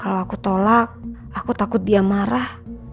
kalau aku tolak aku takut dia marah